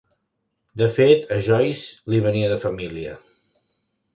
De fet, a Joyce li venia de família.